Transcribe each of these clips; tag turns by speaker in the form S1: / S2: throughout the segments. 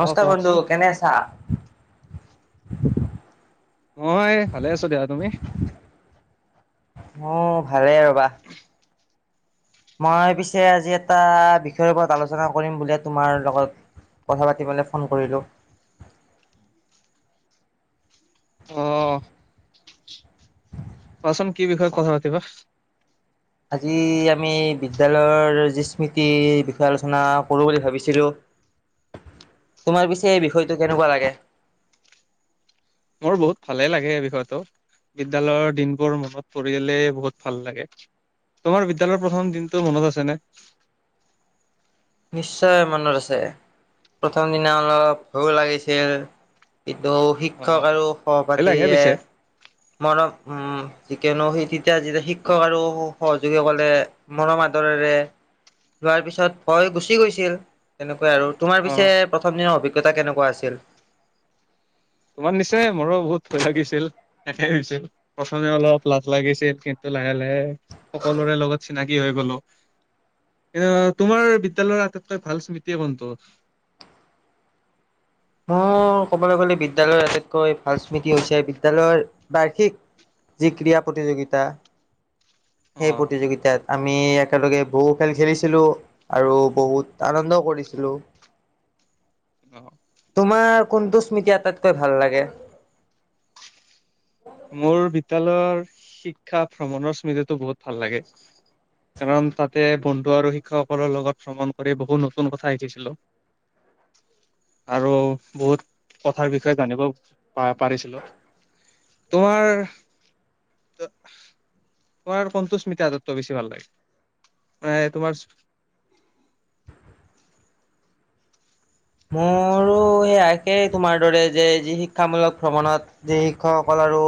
S1: অ',
S2: বন্ধু
S1: কওকচোন
S2: কেনেছা
S1: অয় ভালে আছো দেিয়া তুমি
S2: অঁ ভালেই ৰ'বা মই পিছে আজি এটা বিষয়ৰ ওপৰত আলোচনা কৰিম বোলে তোমাৰ লগত কথা পাতিবেললৈ ফোন কৰিলোঁ
S1: আহ কোৱাচোন কি বিষয়ে কথা পাতিবা
S2: আজি আমি বিদ্্যালয়ৰ যি স্মৃতিৰ বিষয়ে আলোচনা কৰোঁ বুলি ভাবিছিলো তোমাৰ পিছে এই বিষয়টো কেনেকুৱা লাগে
S1: মোৰ বহুত ভালে লাগে এই বিষয়তটো বিদ্্যয়ালয়ৰ দিনবোৰ মনত পৰিঢ়লেে বহুত ভাল লাগে তোমাৰ বিদ্্যালয়ৰ প্ৰথম দিনটো মনত আছেনে
S2: নিশ্চয় মনত আছে প্ৰথম দিনা অলপ ভয় লাগিছিল।
S1: অ',
S2: শিক্ষক আৰু
S1: ভয় লাগে
S2: সহপাঠীয়ে
S1: পিছে
S2: মৰম উ যিকিয়নো সেই তেতিয়া যেতিয়া শিক্ষক আৰু সহযোগীসকলে মৰম আদৰেৰে লোৱাৰ পিছত ভয় গুচি গৈছিল তেনেকুৱা আৰু তোমাৰ পিছে
S1: অ',
S2: প্ৰথম দিনৰ অভিজ্ঞতা কেনেকুৱা আছিল।
S1: তোমাৰ নিচিনাই মোৰো বহুত ভয় লাগিছিল এনেছিল প্ৰথমে অলপ লাজ লাগিছিল কিন্তু লাহে - লাহে সকলোৰে লগত চিনাকি হৈ গলো। এ তোমাৰ বিদ্যয়ালয়ৰ আটাইতকৈ ভাল স্মৃতিয়ে কোনটো? [inaudible]
S2: মই ক'বলৈ গ'লে বিদ্যয়ালয়ৰ আটাইতকৈ ভাল স্মৃতি হৈছে বিদ্যালয়ৰ বাৰ্ষিক যি ক্ৰীড়া প্ৰতিযোগিতা সেই
S1: অ',
S2: প্ৰতিযোগিতাত আমি একেলগে বহু খেল খেলিছিলোঁ আৰু বহুত আনন্দ কৰিছিলো।
S1: অহ ',
S2: তোমাৰ কোনটো স্মৃতি আটাইতকৈ ভাল লাগে।
S1: মোৰ বিদ্যালয়ৰ শিক্ষা ভ্ৰমণৰ স্মৃতিতটো বহুত ভাল লাগে। কাৰণ তাতে বন্ধু আৰু শিক্ষকসকলৰ লগত ভ্ৰমণ কৰি বহুত নতুন কথা শিকিছিলো। [inaudible] আৰু বহুত কথাৰ বিষয়ে জানিব প পাৰিছিলো। তোমাৰ তোমাৰ কন্তস্মিতা আদত্ব বেছি ভাল লাগে ম তোমাৰ উম [inaudible]
S2: মোৰ সেইয় একেই তোমাৰ দৰে যে যি শিক্ষামূলক ভ্ৰমণত য শিক্ষকসকল আৰু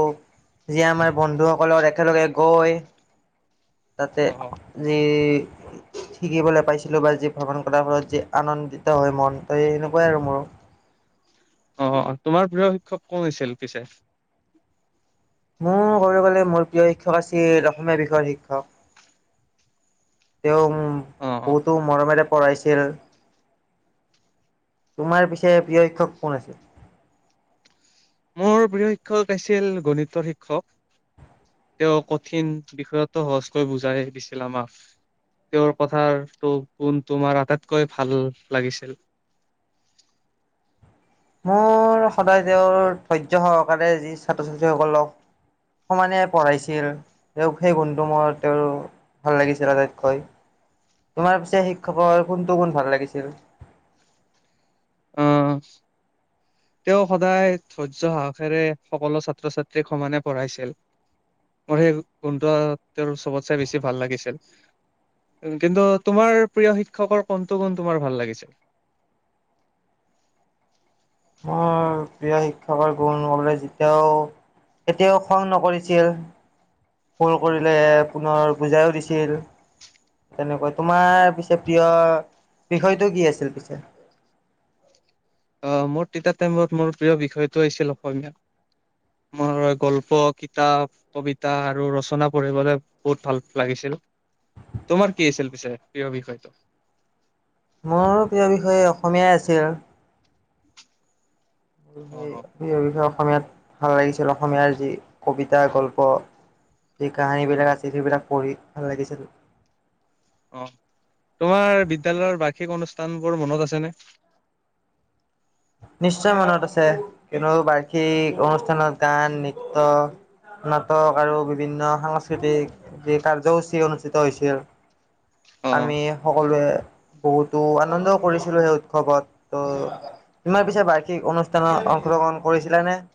S2: যে আমাৰ বন্ধুসকলৰ একেলগে গৈ। তাতে
S1: অ
S2: যি শিকিবলৈ পাইছিলো বা যি ভ্ৰমণ কৰাৰ ফলত যি আনন্দিত হয় মন ত সেনেকুৱাই আৰু মোৰ
S1: অ, তোমাৰ প্ৰিয় শিক্ষক কোন হৈছিল পিছে।
S2: মোৰ ক'ব গ'লে মোৰ প্ৰিয় শিক্ষক আছিল অসমীয়া বিষয়ৰ শিক্ষক। তেওঁ
S1: অ অ
S2: বহুতো মৰমেৰে পঢ়াইছিল। তোমাৰ পিছে প্ৰিয় শিক্ষক কোন আছে?
S1: মোৰ প্ৰিয় শিক্ষক আছিল গণিতৰ শিক্ষক। তেওঁ কঠিন বিষয়তো সহজকৈ বুজাই দিছিলা মাফ। তেওৰ কথটো গুণ তোমাৰ আটাইতকৈ ভাল লাগিছিল। [inaudible]
S2: মোৰ সদায় তেওৰ ধৈৰ্য্য সহকাৰে যি ছাত্ৰ ছাত্ৰীসকলক সমানে পঢ়াইছিল তেও সেই গুন্ধু মোৰ তেওৰ ভাল লাগিছিল আটাইতকৈ তোমাৰ পিছে শিক্ষকৰ কোনটো গুণ ভাল লাগিছিল।
S1: অহ', তেওঁ সদায় ধৈৰ্য সাহসেৰে সকলো ছাত্ৰ ছাত্ৰীক সমানে পঢ়াইছিল। মোৰ সেই গুণটো তেওঁৰ চবত চাই বেছি ভাল লাগিছিল। কিন্তু তোমাৰ প্ৰিয় শিক্ষকৰ কণটো গুণ তোমাৰ ভাল লাগিছিল।
S2: মোৰ প্ৰিয় শিক্ষকৰ গুণ হ'বলৈ যেতিয়াও এতিয়াও খং নকৰিছিল খুল কৰিলে পুনৰ বুজাইও দিছিল। তেনেকৈ তোমাৰ পিছে প্ৰিয় বিষয়টো কি আছিল পিছে
S1: অহ, মোৰ তেতিয়া টাইমত মোৰ প্ৰিয় বিষয়টো আছিল অসমীয়া। মোৰ গল্প কিতাপ কবিতা আৰু ৰচনা পঢ়িবলে বহুত ভাল লাগিছে। তোমাৰ কি আছিল পিছে প্ৰিয় বিষয়টো?
S2: মোৰ প্ৰিয় বিষয় অসমীয়াই আছিল।
S1: অ'
S2: বিষয়ে অসমীয়াত ভাল লাগিছিল অসমীয়াৰ যি কবিতা গল্প [inaudible] সেই কাহানী বিলাক
S1: উম,
S2: আছিল সেইবিলাক পঢ়ি ভাল লাগিছিল [inaudible]
S1: অ তোমাৰ বিদ্যালয়ৰ বাৰ্ষিক অনুষ্ঠান বোৰ মনত আছেনে [inaudible] [unintelligible]
S2: নিশ্চয় মনত আছে কিন্ত বাৰ্ষিক অনুষ্ঠানত গান নৃত্য নাটক আৰু বিভিন্ন সাংস্কৃতিক কাৰ্যসূচী অনুষ্ঠিত হৈছিল [inaudible]
S1: অ'।
S2: আমি সকলোৱে বহুতো আনন্দও কৰিছিলো সেই উৎসৱত ত' ইমান পিছে বাৰ্ষিক অনুষ্ঠানত অংশগ্ৰহণ কৰিছিলেনে [inaudible]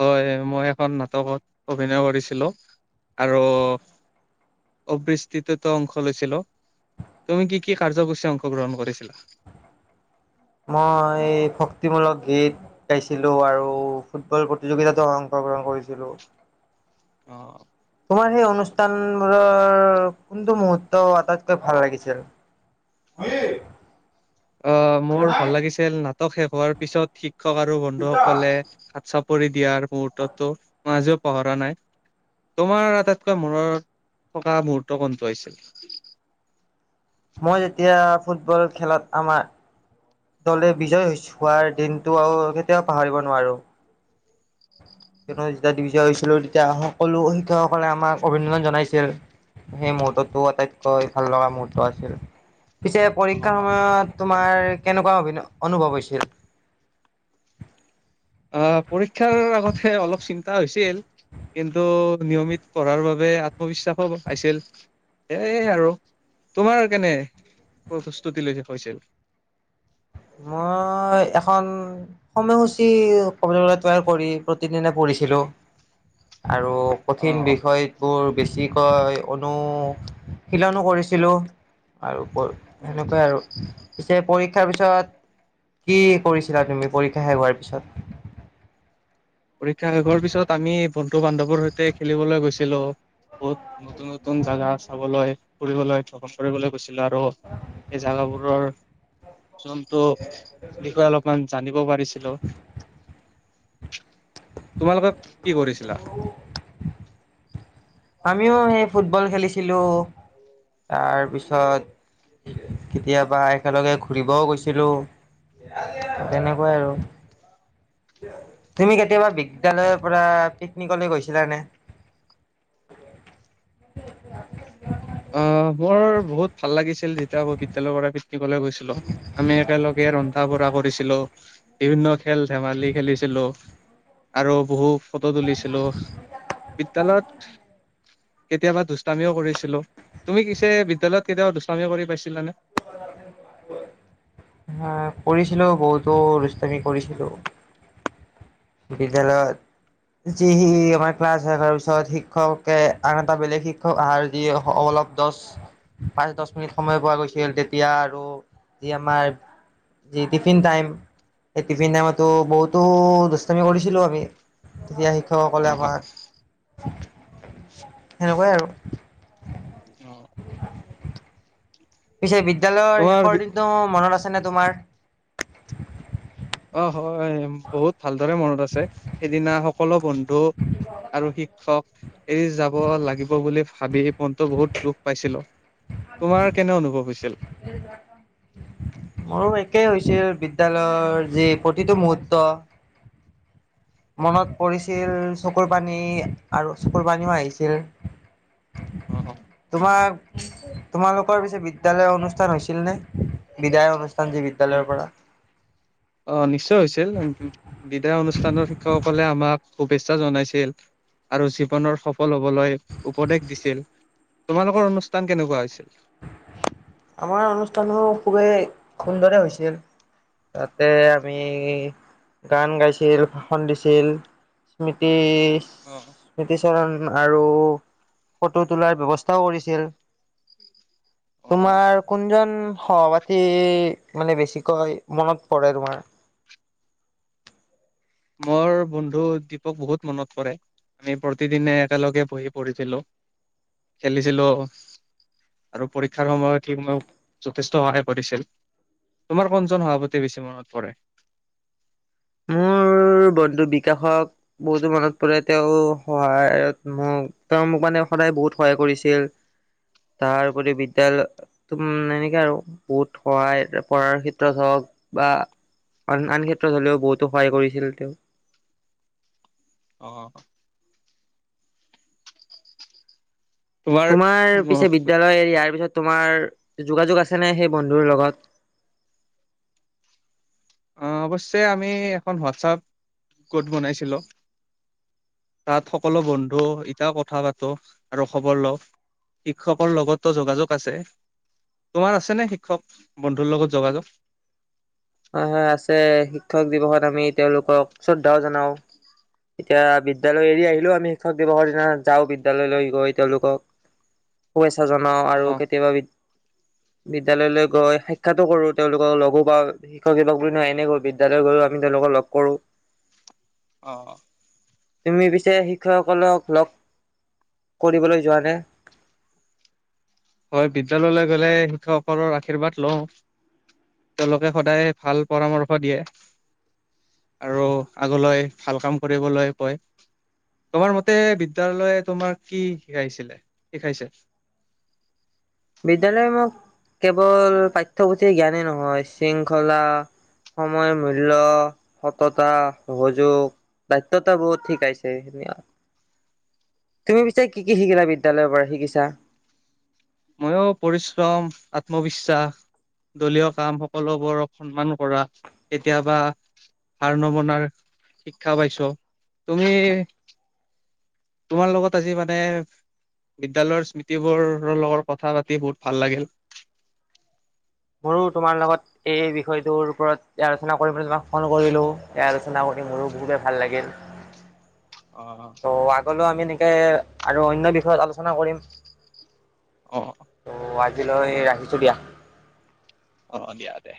S1: হয় মই এখন নাটকত অভিনয় কৰিছিলো আৰু [inaudible] অবস্তৃতত অংশ লৈছিলো তুমি কি কি কাৰ্যসূচী অংশগ্ৰহণ কৰিছিলা [inaudible]
S2: মই ভক্তিমূলক গীত গাইছিলো আৰু ফুটবল প্ৰতিযোগিতাতো অংক অংশ গ্ৰহণ কৰিছিলোঁ
S1: অ
S2: তোমাৰ সেই অনুষ্ঠানবোৰৰ কোনটো মুহুৰৰ্ত আটাইতকৈ ভাল লাগিছিল [inaudible]
S1: [unintelligible] অ মোৰ ভাল লাগিছিল নাটক শেষ হোৱাৰ পিছত শিক্ষক আৰু বন্ধুসকলে হাত চাপ পৰি দিয়াৰ মুহুৰৰ্তো মাই আজিও পাহৰা নাই তোমাৰ আটাইতকৈ মূৰত থকা মহুৰ্ত কত গৈছিল [inaudible]
S2: মই যেতিয়া ফুটবল খেলত আমাৰ দলে বিজয় হোৱাৰ দিনটো আৰু কেতিয়াও পাহৰিব নোৱাৰো [inaudible] যেতিয়া ডিভিচ হৈছিলো তেতিয়া সকলো শিক্ষকসকলে আমাক অভিনন্দন জনাইছিল সেই মূহঠ তো আটা ইতক খালা মূহঠ আছিল পিছে পৰীক্ষাৰ
S1: আহ
S2: সময়ত তোমাৰ কেনেকুৱা অনুভৱ হৈছিল [inaudible]
S1: অ পৰীক্ষাৰ আগতে অলপ চিন্তা হৈছিল কিন্তু নিয়মিত পঢ়াৰ বাবে আত্মবিশ্বাসো আছিল সেয়াই আৰু তোমাৰ কেনেপস্তুতি লৈ হৈছিল [inaudible]
S2: মই এখন সময়সূচী কবলৈ গলে তৈয়াৰ কৰি প্ৰতিদিনে পঢ়ি ছিলো
S1: [unintelligible]
S2: আৰু
S1: অ
S2: কঠিন
S1: অ
S2: বিষয় বোৰ বেছি কি কয় অনুশিলনো কৰিছিলোঁ আৰু
S1: উম
S2: সেনেকুৱাই আৰু পিছে পৰীক্ষাৰ পিছত কি কৰিছিলা তুমি পৰীক্ষা শে হোৱাৰ পিছত [inaudible]
S1: পৰীক্ষা শেষৰ পিছত আমি বন্ধু বান্ধৱৰ সৈতে খেলিবলৈ গৈছিলো বহুত নতুন নতুন জাগা চাবলৈ ফুৰিবলৈ ভ্ৰমণ কৰিবলৈ গৈছে ছিলো আৰু সেই জোগাবোৰৰ যোন টো বিষয়ে অলপমান জানিব পাৰিছিলো তোমালোকে কি কৰিছিলা
S2: আমিও সেই ফুটবল খেলিছিলো তাৰপিছত কেতিয়াবা একেলগে ঘূৰিবও গৈছিলোঁ তেনেকুৱাই আৰু তুমি কেতিয়াবা বিদ্যালয়ৰ পৰা পিকনিকলৈ গৈছিলানে
S1: [unintelligible] অ মোৰ বহুত ভাল লাগিছিল যেতিয়া মৌ বিদ্যালয়ৰ পৰা পিতৃ কলে গৈছিলো আমি একেলগে ৰন্ধা বঢ়া কৰিছিলো বিভিন্ন খেল ধেমালি খেলিছিলো আৰু বহু ফটো তুলিছিলোঁ বিদ্যালয়ত কেতিয়াবা দুষ্টামিও কৰিছিলোঁ তুমি পিছে বিদ্যালয়ত কেতিয়াবা [unintelligible] কৰি পাইছিলানে
S2: হ কৰিছিলো বহুতো ৰুষ্টামি কৰিছিলো বিদ্্যালয়ত যি সি আমাৰ ক্লাছাৰ পিছত শিক্ষকে আন এটা বেলেগ শিক্ষক আহহাৰ যি অলপ দহ পাঁচ দহ মিনিট সময় পোৱা গৈছিল তেতিয়া আৰু যি আমাৰ টিফিন টাইম স টিফিন টাইমতো বহুতো আমি কৰিছিলোঁ আমি তেতিয়া শিক্ষকসকলে
S1: অ
S2: আমাৰ সেনেকুৱাই আৰু
S1: অ
S2: পিছে বিদ্্যালয়ৰ
S1: তোমাৰ
S2: শেষৰ
S1: বি-
S2: দিনটো মনত আছে ন তোমাৰ
S1: অ হয় বহুত ভালদৰে মনত আছে সেইদিনা সকলো বন্ধু আৰু শিক্ষক এৰি যাব লাগিব বুলি ভাবি মনটো বহুত দুখ পাইছিলো তোমাৰ কেনে অনুভৱ হৈছিল
S2: মোৰো একেই হৈছিল বিদ্যয়ালয়ৰ যি প্ৰতিটো মুহূুৰৰ্ত মনত পৰিছিল চকুৰ পানী আৰু চকুৰ পানীও আহিছিল
S1: অ
S2: তোমাৰ তোমালোকৰ পিছে বিদ্যালয় অনুষ্ঠান হৈছিল নে বিদায় অনুষ্ঠান সঞ্জী বিদ্যালয়ৰ পৰাঢ়া
S1: বিদ্যয়া অনুষ্ঠানৰ শিক্ষকসকলে আমাক শুভেচ্ছা জনাইছিল আৰু জীৱনৰ সফল হবলৈ উপদেশ দিছিল তোমালোকৰ অনুষ্ঠান কেনেকুৱা হৈছিল
S2: আমাৰ অনুষ্ঠানো খুবেই সুন্দৰে হৈছিল তাতে আমি গান গাইছিল ভাষন দিছিল স্মৃতি
S1: অ
S2: স্মৃতি চৰণ আৰু ফটো তোলাৰ ব্য্ৱস্থাও কৰিছিল
S1: অ
S2: তোমাৰ কোনজন সহপাঠী মানে বেছিকৈ মনত পৰে তোমাৰ
S1: মোৰ বন্ধু দীপক বহুত মনত পৰে আমি প্ৰতিদিনে একেলগে পঢ়ি পঢ়িছিলো খেলিছিলো আৰু পৰীক্ষাৰ সময়ত সি মোক যথেষ্ট সহায় কৰিছিল তোমাৰ কোনজন সভাপতি বেছি মনত পৰে
S2: মোৰ বন্ধু বিকাশক বহুতো মনত পৰে তেওঁ সহায়ত মোক তেওঁ মোক মানে সদায় বহুত সহায় কৰিছিল তাৰপৰি বিদ্য়ালয় ত এনেকে আৰু বহুত সহায় পঢ়াৰ ক্ষেত্ৰত হওক বা আন আন ক্ষেত্ৰত হলেও বহুতো সহায় কৰিছিল তেওঁ
S1: অ
S2: তোমাৰ পিছে বিদ্যালয় ইয়াৰ পিছত। তোমাৰ যোগাযোগ আছেনে সেই বন্ধুৰ লগত?
S1: অ', অৱশ্যে আমি এখন হোৱাটছআপ গোট বনাইছিলোঁ। তাত সকলো বন্ধু এতিয়া কথা পাতো আৰু খবৰ লওঁ। শিক্ষকৰ লগতো যোগাযোগ আছে। তোমাৰ আছেনে শিক্ষক, বন্ধুৰ লগত যোগাযোগ?
S2: হয়, হয় আছে শিক্ষক দিৱসত আমি তেওঁলোকক শ্ৰদ্ধাও জনাওঁ। এতিয়া বিদ্যালয় এৰি আহিলো আমি শিক্ষক দিৱসৰ দিনা যাওঁ বিদ্যালয়লৈ, গৈ তেওঁলোকক। শুভেচ্ছা জনাওঁ আৰু
S1: অ'।
S2: কেতিয়াবা বি। বিদ্যালয়লৈ গৈ সাক্ষ্যাতো কৰো, তেওঁলোকক লগো পাওঁ, শিক্ষক দিৱস বুলি নহয়, এনে কৰো বিদ্যালয় গৈ। আমি তেওঁলোকক লগ কৰো।
S1: [inaudible] অ'।
S2: তুমি পিছে শিক্ষকসকলক লগ। কৰিবলৈ যোৱা নে?
S1: হয় বিদ্যালয়লৈ গ'লে শিক্ষকসকলৰ আশীৰ্বাদ লওঁ। তেওঁলোকে সদায় ভাল পৰামৰ্শ দিয়ে? আৰু আগলৈ ভাল কাম কৰিবলৈ কয়। তোমাৰ মতে বিদ্যালয়ে তোমাক কি শিকাইছিলে? শিকাইছে?
S2: বিদ্যালয়ে মোক কেৱল পাঠ্যপুথিৰ জ্ঞানেই নহয় শৃংখলা। সময় মূল্য, সততা, সহযোগ। দায়িত্বতাবোধ শিকাইছে। তুমি পিছে কি কি শিকিলা বিদ্যালয়ৰ পৰা? শিকিছা?
S1: ময়ো, পৰিশ্ৰম, আত্মবিশ্বাস। দলীয় কাম সকলোবোৰক সন্মান কৰা কেতিয়াবা। হাৰ নমনাৰ শিক্ষা পাইছো তুমি। তোমাৰ লগত আজি মানে। বিদ্যালয়ৰ স্মৃতিবোৰৰ লগত কথা পাতি বহুত ভাল লাগিল।
S2: মোৰো তোমাৰ লগত এই বিষয়টোৰ ওপৰত আলোচনা কৰিম তোমাক ফোন কৰিলো আলোচনা কৰি। মোৰো খুবেই ভাল লাগিল।
S1: [inaudible]
S2: ত' আগলৈও আমি এনেকৈ আৰু অন্য বিষয়ত আলোচনা কৰিম।
S1: অ',
S2: ত' আজিলৈ ৰাখিছোঁ দিয়া।
S1: অ', দিয়া দে।